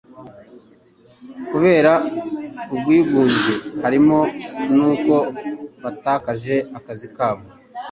kubera ubwigunge. Harimo n'uko batakaje akazi kabo